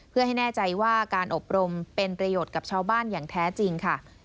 เพื่อให้แน่ใจว่าการอบรมเป็นประโยชน์กับชาวบ้านอย่างแท้จริงค่ะ